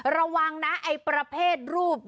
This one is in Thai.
ระวังนะไอ้ประเภทรูป